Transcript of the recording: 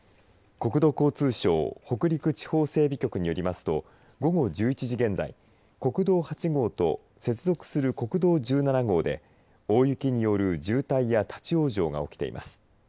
国土交通省北陸地方整備局によりますと午後１１時現在国道８号と接続する国道１７号で大雪による渋滞や立往生が起きています。